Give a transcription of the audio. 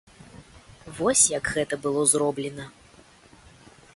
Вось як гэта было зроблена.